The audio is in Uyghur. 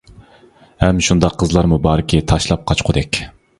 ھەم شۇنداق قىزلار مو باركى تاشلاپ قاچقۇدەك!